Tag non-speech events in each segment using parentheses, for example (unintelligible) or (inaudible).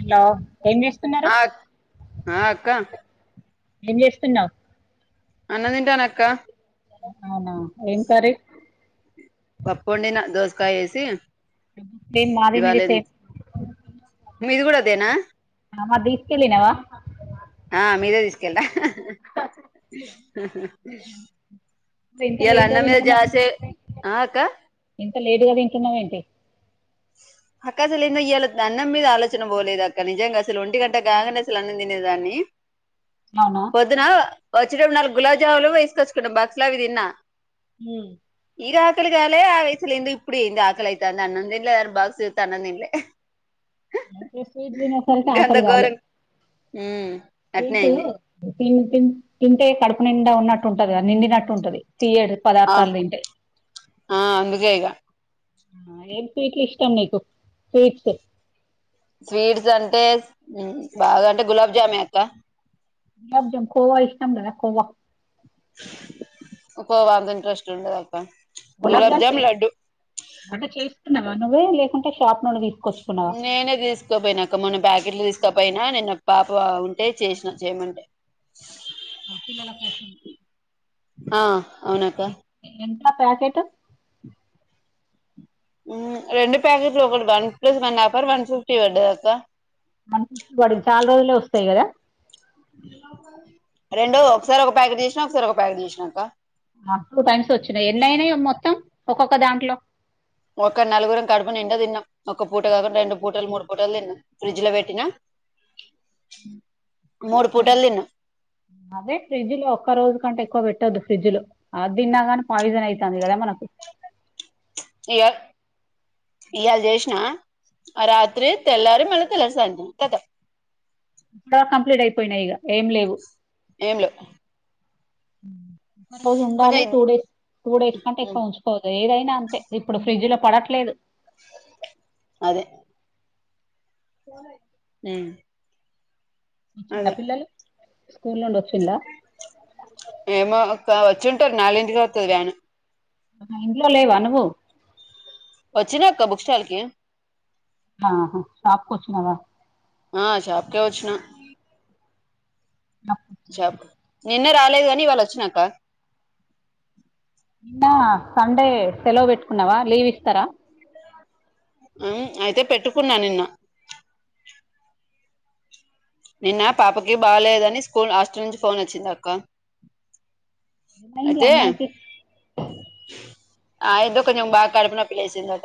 Hello ఏం చేస్తున్నారు ఆ ఆ అక్క ఏం చేస్తున్నావ్ అన్నం దింటానక్క అవునా ఏం కర్రీ పప్పొండినా దోసకాయేసి సేమ్ మాది మీది ఇవాళెన్ సేమ్ మీది కూడా అదేనా ఆ మరి తీసుకెళ్ళినవా ఆ మీదే తీసుకెలా ఇంత ఇయాళ లేట్గా అన్న మీద తింటున్నావ్ జాసే ఆ అక్క ఇంత లేటుగా తింటున్నావేంటి (inaudible) అక్క అసలు ఏందో ఇయాళ అన్నం మీద ఆలోచన పోలేదు అక్క నిజంగా అసలు ఒంటి గంట కాంగానే అసలు అన్నం తినేదాన్ని (inaudible) అవునా పొద్దున వచ్చేటప్పుడు నాలుగు గులాబ్ జాములు వేసుకొచ్చుకున్నా బాక్స్లో అవి తిన్నా ఊ ఈర ఆకలిగాలే ఆ వైసులిందు ఇప్పుడుంది ఆకలైతాంది అన్నం దిన్ లారు బాక్స్ తెత్తే అన్నం తినలే అయితే స్వీట్ తినేసరికి గంత ఘోరం ఊ స్వీటు (unintelligible) తింటే కడుపు నిండా ఉన్నట్టు ఉంటది నిండినట్టు ఉంటది తియ్యడు ఆ పదార్థాలు దింటే ఆ అందుకే ఇగ ఏం స్వీట్లు ఇష్టం నీకు స్వీట్స్ స్వీట్స్ అంటే బాగా అంటే గులాబ్ జామే అక్క గులాబ్ జామ్ కోవా ఇష్టం లేద కోవా కోవా అంతింట్రెస్ట్ ఉండదక్క గులాబ్ జామ్ చేస్ అంటే చేస్తున్నావా నువ్వు లేకుంటే షాప్ నుండి తీసుకొచ్చుకున్నావా నేనే జిస్ కోబొయినాక్క మొన్న బ్యాకెట్లు తీసుకపోయినా నిన్న పాప ఉంటే చేసిన చేయమంటే ఆ పిల్లల కోసం ఆ అవునక్క ఎంత ప్యాకెట్ రెండు ప్యాకెట్లు ఒకటి one plus one offer one fifty పడ్డదక్క చాల రోజులే వస్తాయి గదా రెండో ఒకసారి ఒక ప్యాకెట్ చేసినా ఒకసారి ఒక ప్యాకెట్ చేసినాక టూ టైమ్స్ వచ్చినయి ఎన్నైనై మొత్తం ఒక్కొక్క దాంట్లో ఒక నలుగురం కడుపు నిండా తిన్నాం ఒక పూట కాకుండా రెండు పూటలు మూడు పూటలు తిన్నా ఫ్రిడ్జ్ లో పెట్టినా మూడు ఫ్రిజ్ పూటలు తిన్నం అదే ఫ్రిడ్జ్ లో ఒక్క రోజు కంటే ఎక్కువ పెట్టొద్దు ఫ్రిడ్జ్ లో అదిన్నగాని పాయిజన్ అయితాంది గదా మనకు ఇగ ఇయాళ జేషినా ఆ రాత్రి తెల్లారి మళ్ళీ తెలారి సాయత్రం కథం కంప్లీట్ అయిపోయినాయిగ ఏం లేవు ఏం లేవ్ రోజు కొంచెం ఉండాలె టూ డేస్ టూ డేస్ కంటే ఉమ్ ఎక్కువ ఉంచు పోదు ఏదైనా అంతే ఇప్పుడు ఫ్రిడ్జ్ లో పడట్లేదు అదే మ్మ్ వచ్చిండా పిల్లలు స్కూల్ నుండి వచ్చిళ ఏమో అక్క వచ్చుంటారు నాలుంటికే వత్తది వ్యాను ఇంట్లో లేవా నువ్వు వచ్చినా అక్క బుక్ స్టాల్ కి ఆహా షాప్ కొచ్చున్నవా ఆ షాప్ కే వచ్చిన నా నిన్న రాలేదు గాని ఇవాళ వచ్చినాక నిన్న సండే సెలవు పెట్టుకున్నావా లీవ్ ఇస్తరా అయితే పెట్టుకున్నా నిన్న నిన్న పాపకి బాలేదని స్కూల్ హాస్టల్ నుంచి ఫోన్ వచ్చిందక్క ఏమైంది అయితే అమ్మాయికి ఆ ఎదో కొంచం బా కడపు నొప్పి లేేసిందాట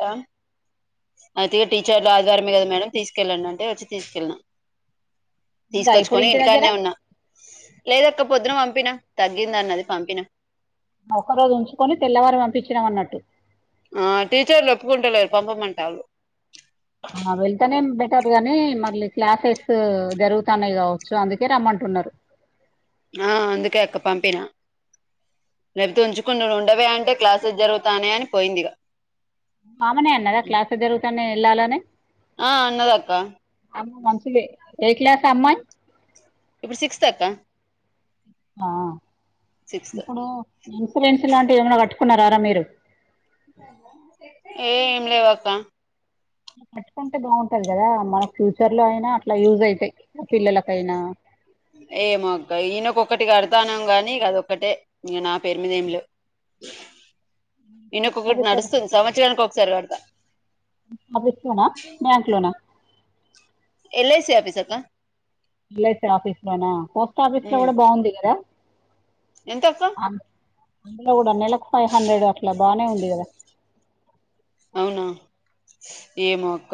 అయితే ఇగ టీచర్లాగార్మే గద మేడం తీసుకెళ్ళండంటే వచ్చి తీసుకెళ్నా ఉందా ఇప్పుడు తీసుకొచ్చుకోని ఇంటి దగ్గర ఇంటికానే ఉన్నా తగ్గిందన్నది పంపిన ఒక్క రోజు ఉంచుకొని తెల్లవారి పంపించినమన్నట్టు ఆ టీచర్లు ఒప్పుకుంటలేరు పంపమంటాళ్ళు (unintelligible) ఇనే బెటర్ గాని మళ్ళీ క్లాసెస్ జరుగుతాన్నాయి కావచ్చు అందుకే రమ్మంటున్నారు. ఆ అందుకే అక్క పంపిన లేకపోతే ఉంచుకుని ఉండవే అంటే క్లాసెస్ జరుగుతానయి. అని పోయింది ఇగా ఆమనే అన్నదా క్లాసేస్ జరుగుతన్నయా వెళ్ళాలని ఆ అన్నదక్క అమ్మ మంచులే ఏ క్లాస్ ఆ అమ్మాయ్ ఇప్పుడు సిక్స్త్ అక్క ఆ సిక్స్త్ ఇప్పుడు ఇన్సూరెన్స్ లాంటివి ఏమనా కట్టుకున్నారా రారా మీరు ఏ ఏం లేవాక్క కట్టుకుంటే బాగుంటది. కదా మన ఫ్యూచర్ లో అయినా అట్లా యూజ్ అయితాయి పిల్లలకైనా ఏమో ఆక్క ఈయనొక్కటి కడతాన్నాం కాని అదొక్కటే ఇంక నా పేరు మిదేం లేవ్ ఇయనొక్కొక్కటి ఆఫీస్లో నడుస్తుంది. సంవత్సరానికోక్కసారి కడుత ఆఫీసులోనా బ్యాంక్లోనా ఎల్ ఐ సి ఆఫీస్ ఆక్కా ఎల్ ఐ సి ఆఫీస్ లోనా పోస్ట్ ఆఫీస్ లో కూడా బాగుంది కదా ఎంత అందులో కూడా నెలకు ఫైవ్ హండ్రెడ్ అట్లా బానే ఉంది కదా అవునా ఏమో అక్క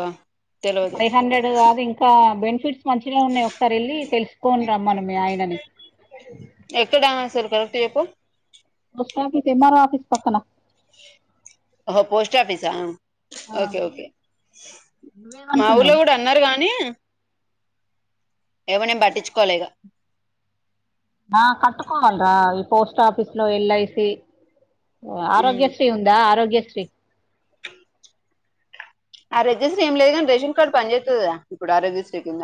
తెలవదు ఫైవ్ హండ్రెడ్ కాదు ఇంక బెనిఫిట్స్ మంచిగానే ఉన్నయి ఒకసారి వెళ్ళి తెలుసుకోని రమ్మను మీ ఆయనని ఎక్కడ అసలు కరెక్ట్ చెప్పు పోస్ట్ ఆఫీస్ ఏం ఆర్ ఓ ఆఫిస్ పక్కనా పోస్ట్ ఆఫిస ఓకే ఓకే నువ్వు ఏం అను వులో కూడా అన్నరు గాని ఏమో నేను పట్టించుకోలే ఇగా ఆ కట్టుకోవాలరా ఈ పోస్ట్ ఆఫీస్లు ఎల్ ఐ సి ఓ ఉమ్ ఆరోగ్యశ్రీ ఉందా ఆరోగ్యశ్రీ ఆ రిజిస్టర్ ఏం లేదు ని రేషన్ కార్డు పని చేస్తది. గా ఇప్పుడు ఆ రిజిస్టర్ కింద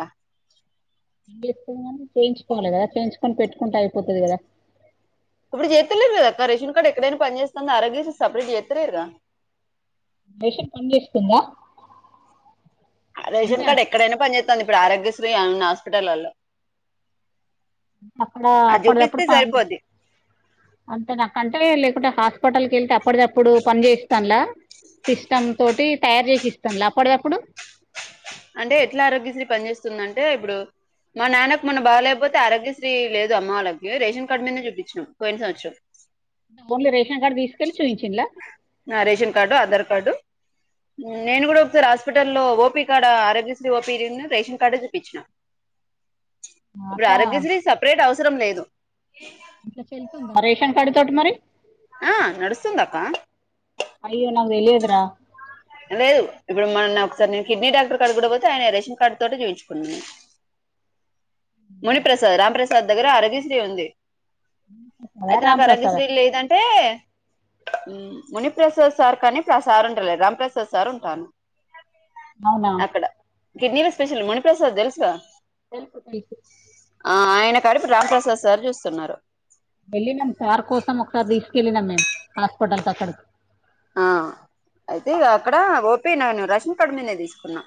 కానీ ఇప్పుడు చేయించుకోవాలి కదా చేయించుకని పెట్టుకుంటె అయిపోతది కదా అప్పుడు చెత్తలేరు కదా అ రేషన్ కార్డు ఎక్కడైనా పనీ చేస్తుంది ఆరోగ్య శ్రీ సెపరేట్ చేస్తలేరుగా రేషన్ పనిచేస్తుందా రేషన్ అంటే కార్డు ఎక్కడైనా పని చేస్తుంది ఇప్పుడు ఆరోగ్యశ్రీ ఉన్న హాస్పిటల్లో అప్పుడ అప్పుడుది అప్పుడు పాల్ అంతే నాకంటే లేకుంటే హాస్పిటల్కి ఎళ్తే అప్పటికప్పుడు పని చేస్తాలా సిస్టమ్ తోటి తయారు చేసి ఇస్తాను రా అప్పటిదప్పుడు అంటే ఎట్లా ఆరోగ్యశ్రీ పనిచేస్తుందంటే ఇప్పుడు మా నాన్నకు మొన్న బాగాలేకపోతే ఆరోగ్యశ్రీ లేదు అమ్మ వాళ్ళకి రేషన్ కార్డ్ మీదనే చూపించినాం పోయిన సంవత్సరం (inaudible) ఓన్లీ రేషన్ కార్డు తీసుకెళ్లి చూయించి ల రేషన్ కార్డు ఆధార్ కార్డు నేను కూడా ఒకసారి హాస్పిటల్లో లో OP Aarogyasri O P D ఉన్ను రేషన్ కార్డు చూపించిన ఇప్పుడు అట్లా ఆరోగ్యశ్రీ స రేట్ అవసరం లేదు ఇట్ల చెల్తుంద రేషన్ కార్డు తోటి మరి ఆ నడుస్తుంది అక్క అయ్యో నాక్ తెలియదురా లేదు ఇప్పుడు మన్న ఒకసారి నేన్ కిడ్నీ డాక్టర్ కడ కూడా పోతే ఆయన రేషన్ కార్డు తోటి చూపించుకున్నాను మునిప్రసాద్ రాంప్రసాద్ దగ్గర ఆరోగ్యశ్రీ ఉంది కదా అయితే నాకు రాంప్రసాద్ ఆరోగ్యశ్రీ లేదంటే మునిప్రసాద్ సార్ కానీ ప్రసార్ ఉండలేద్ రామప్రసాద్ సార్ ఉంటాను అవునా అక్కడ కిడ్నీల స్పెషల్ మునిప్రసాద్ తెలుసుగా తెల్సు మీకు ఆ ఆయన కాడ ఇప్పుడు రామ్ ప్రసాద్ సార్ చూస్తున్నారు వెళ్ళి నమ్ సార్ కోసం ఒక్ సార్ తీసుకెలి నమ్ మేమ్ హాస్పటల్ కక్కడకి ఆ అయితే ఇగ అక్కడ ఓపి నను రేషన్ కార్డ్ మీద్ నే తీసుకున్నా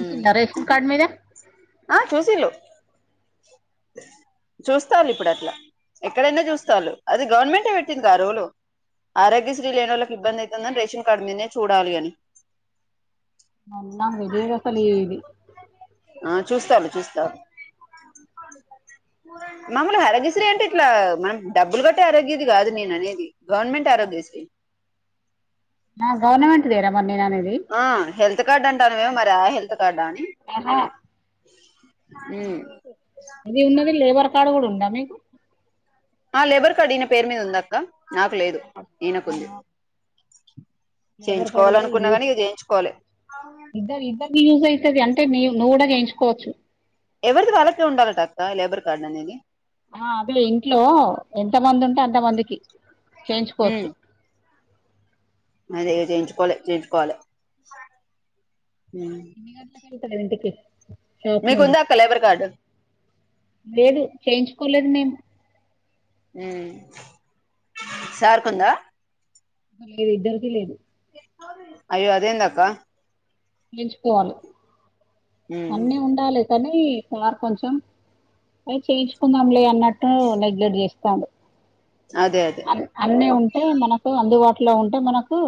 ఉమ్ ఇచ్చిండా రేషన్ కార్డ్ మీద ఆ చూసిల్లు చూస్తాలుప్ డట్లా ఎక్కడైనా చూస్తల్లు అది గవర్నమెంటే పెట్టిందా రోలు ఆరోగ్యశ్రీ లేనోల్లకి ఇబ్బందైతుందని రేషన్ కార్డ్ మీద్ నే చూడాలిఅని అవ్నా (unintelligible) అసలు ఇది ఆ చూస్తాను చూస్తా మముల్ గా ఆరోగ్యశ్ర అంటే ఇట్లా మనం డబ్బులు కట్టే ఆరోగ్యశ్రీ కాదు నేననేది గవర్నమెంట్ ఆరోగ్యశ్రీ నా గవర్నమెంట్ దేరామ్ మొన్ నేననేది ఆ హెల్త్ కార్డ్ అంటానువే మరి ఆ హెల్త్ కార్డు ఆ అని ఎహా (inaudible) ఉమ్ అది ఉన్నది లేబర్ కార్డు కూడా ఉందా మీకు ఆ లేబర్ కార్డ్ ఈయన పేరు మీద ఉందక్క నాకు లేదు ఈయనకుంది లేబర్ కార్డు కూడా చేయించుకోవాలనుకున్నా యూత్ కానీ ఇగ చేయించుకోలే ఇద్దరు ఇద్దరిని యూజ్ అయితది అంటే నీ నువ్ కూడా చేయించుకోవచ్చు ఎవరిది వాళ్ళకే ఉండాలట అక్క లేబర్ కార్డ్ అనేది ఆ అదే ఇంట్లో ఎంతమందుంటే అంత మందికి ఉమ్ చేయించుకోవచ్చు అదే ఇగ చేయించుకోవాలే చేయించుకోవాలే వస్తది ఇంటికి షాప్ నుండి మీకుందా అక్క లేబర్ కార్డు లేదు చేయించుకోలేదు మేమ్ హు సార్కుందా లేద్ ఇద్దరికీ లేదు అయ్యో అదేందక్క ఎంచుకోవాలి ఉమ్ అన్నీ ఉండాలె కానీ సార్ కొంచెం అదె చేయించుకుందాం లే అన్నట్టు నెగ్లెక్ట్ చేస్టాండు అదే అదే అన్ అన్నీ ఉంటే మనకు అందుబాటులో ఉంటే మనకు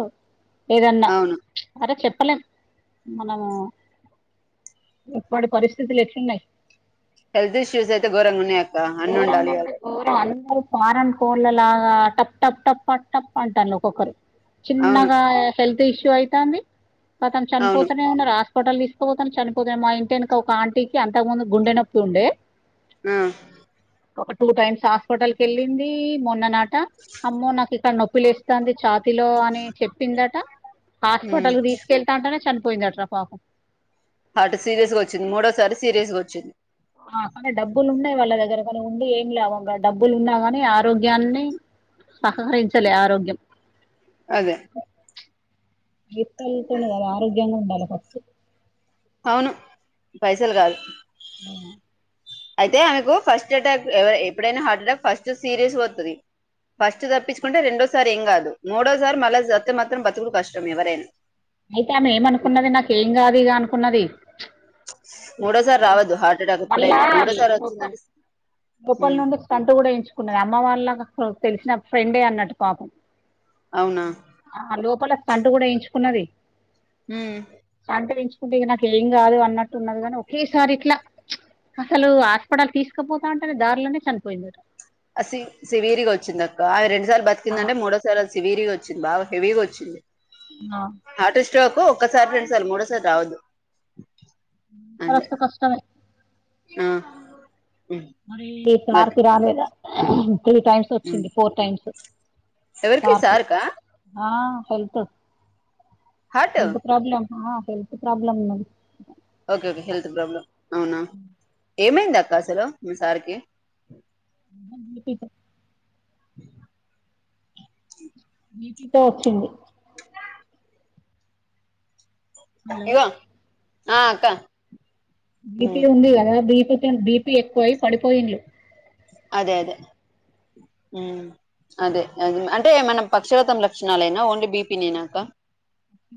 లేదన్నా అవును అరే చెప్పలేం మనము ఇప్పటి పరిస్థితులు ఎట్లున్నాయి హెల్త్ ఇషూస్స్ అయితే గోరంగున్నాయ్ అక్ గోరంగన్టే గోర అందరూ ఫారన్ కోళ్ళలాగా టప్ టప్ టప్ టప టప అంటాన్ లు ఒక్కొక్కరు అవును చిన్నగా హెల్త్ ఇష్యూ అయితాంది కతం అవును చనిపోతూనే ఉన్నారు ఆస్ స్పటల్ తీస్ కపోతని చనిపోతే మా ఇంటి వెనుక ఒక ఆంటీకి అంతకు ముందు గుండె నొప్పి ఉండే అ ఒక టూ టైమ్స్ హాస్పిటల్ కేళ్ళింది మొన్న నా ట అమ్మో నాకు ఇక్కడ నొప్పి లేస్తుంది ఛాతిలో అని చెప్పిందట ఉమ్ హాస్పిటల్ కు తీసుకెల్తంటేనే చనిపోయిందట్రా పాపం హార్ట్ సీరియస్ గా వచ్చింది మూడోసారి సీరియస్ గా వచ్చింది ఆ కానీ డబ్బులు ఉన్నాయి వాళ్ళ దగ్గర కాని ఉండి ఏం లేవు డబ్బులు ఉన్నా కాని ఆరోగ్యాన్ని సహకరించలేే ఆరోగ్యం అదే (unintelligible) కదా ఆరోగ్యంగా ఉండాలే పప్ అవును పైసలు కాదు అ అయితే ఆమెకు ఫస్ట్ అటాక్ ఎప్పుడైనా హార్ట్ అటాక్ ఫస్ట్ సీరియస్ వస్తది ఫస్ట్ తప్పిచుకుంటే రెండోసారి ఏం కాదు మూడోసారి మళ్ళా వత్తే మాత్రం బతుకుడు కష్టం ఎవరైనా అయితే ఆమె ఏమనుకున్నది నాకు ఏం కాదు ఇగ అనుకున్నది మూడోసారి రావద్దు హార్ట్ అటాక్ మళ్ళా ఎప్పుడైనా మూడోసారి ఉప్ప వచ్చిందంటే ఉప్పల్ ఉమ్ నుండి ఒచ్ టంటు కూడా ఏయించుకున్నది అమ్మ వాళ్ళ తెలిసిన ఫ్రెండే అన్నట్టు పాపం అవునా ఆ లోపల స్టంటు కూడా ఎయించుకున్నది మ్ స్టంటు ఏయించుకుంటే ఇగ నాకు ఏం కాదు అన్నట్టు ఉన్నది గానీ ఒకేసారి ఇట్లా అసలు హాస్పిటల్ తీసుకుపోతంటేనే దారిలోనే చనిపోయిందట అ సి సివియర్గా వచ్చిందక్కా అయి రెండు సార్లు బతికిందంటే మూడో సారి వస్ సివీరిగ వచ్చింది బాగా హెవీగా వచ్చింది ఆ హాట్ స్ట్రోకు ఒక్కసారి రెండుసార్లు మూడోసారి రావద్దు అంతే సరోస్తే కష్టమే ఆ ఉమ్ మరీ సార్ గట్ కి రాలేదా త్రీ టైమ్స్ ఉమ్ వచ్చింది ఫోర్ టైమ్స్ ఎవరికి సారు కా ఆ హెల్త్ హార్ట్ హెల్త్ ప్రాబ్లమ్ ఆ హెల్త్ ప్రాబ్లమ్ ఉన్నది ఓకే ఓకే హెల్త్ ప్రాబ్లం అవునా ఏమైంది అక్క అసలు మీ సార్ కి (inaudible) బీపీ తో వచ్చింది హలో ఆ అక్క బీపీ ఉంది కదా బీపి తోని బీపీ ఎక్కువై పడిపోయిండ్లు అదే అదే మ్ అదే అది అంటే మనం పక్షవాతం లక్షణాలేనా ఓన్లీ బీపీ నేనా అక్క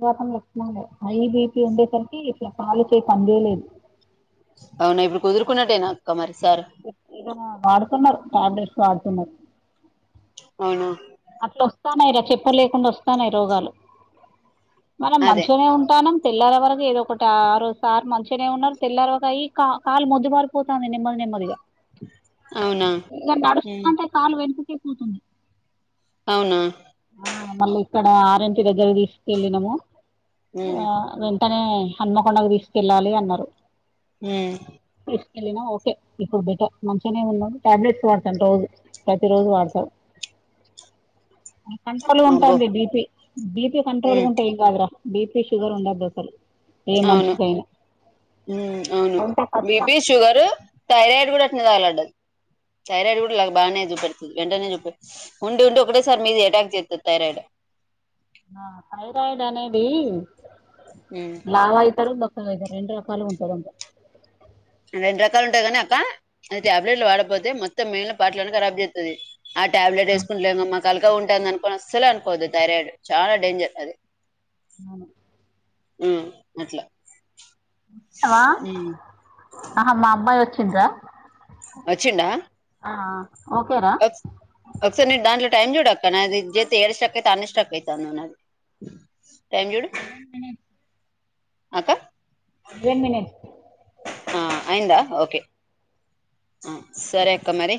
వాతం లక్షలానాలే హై బీపీ ఉండేసరికి ఇట్లా కాలు చేయి పని చేయలేదు అవునా ఇప్పుడు కుదురుకున్నట్టేనా అక్క మరి సార్ ఇగ వాడుతున్నారు టాబ్లెట్స్ వాడుతున్నారు అవునా అట్ల వస్తాన్నయ్ రా చెప్పలేకుండా వస్తానయ్ రోగాలు మనం అదే మంచిగనే ఉంటానం తెల్లారె వరకు ఏదో ఒకటి ఆరో సార్ మంచిగానే ఉన్నారు తెల్లార్వకై కా కాలు మొద్దు బారిపోతాంది నెమ్మది నెమ్మదిగా అవునా ఇంగ ఉమ్, నడుస్తటే కాలు వెనుకకే పోతుంది అవునా ఆ మళ్ళీ ఇక్కడ ఆర్ ఎం పి దగ్గర తీసుకెళ్ళినము ఆ ఉమ్, వెన్ కానీ హన్మకొండకు తీసుకెళ్ళాలి అన్నారు. ఊ తీసుకెళ్ళినా ఓకే ఇప్పుడు బెటర్ మంచిగనే ఉన్నాడు. టాబ్లెట్స్ వాడతాన్ రోజు. ప్రతిరోజు వాడతావ్ కంట్రోల్ గ అబ్బో ఉంటాంది బీపీ, బీపీ కంట్రోల్ గా ఉమ్, ఉంటే ఏం కాదురా బీపీ, షుగర్ ఉండద్దు అసలు. ఏ అవును మనిషికైనా మ్ అవును. ఉంటే కష్టం బిపి షుగరూ, థైరాయిడ్ గూడా అట్నే తగలడ్డది. థైరాయిడ్ గూడ లాగ బాగనే చూపెడుతది వెంటనే చూపె ఉండి ఉండి ఒకటేసారి మీది అటాక్ చేత్తది థైరాయిడ్. ఆ థైరాయిడ్ అనేదీ, మ్ లావు అయితరు, బక్కగ అయితారు రెండు రకాలుగ ఉంటదంట. రెండు రకాలు ఉంటాయి కాని అక్క, అది ట్యాబ్లెట్లు వాడకపోతే మొత్తం మిగిలిన పార్ట్లన్ని ఖరాబ్ చేత్తది. ఆ ట్యాబ్లెట్ వేసుకుంట్లేమా మాకు అలుకగా ఉంటాంది అనుకోని అస్సలు అనుకోవద్దు థైరాయిడ్. చాలా డేంజర్ అది. అవును మ్ అట్లా. ఆ ఉమ్ ఆహా మా అబ్బాయి వచ్చింద్రా వచ్చిండా? ఆ ఓకేరా ఒకసారి నీ దాంట్లో టైం చూడక్క. నాది ఇద్చెత్తే ఏడ స్ట్రక్ అయితే ఆన్నే స్ట్రక్ అయితానే ఉన్నది టైం చూడు. లెవెన్ మినిట్స్ అక్కా? రెన్ మినిట్స్ ఆ అయిందా ఓకె ఆ సరే అక్క మరి.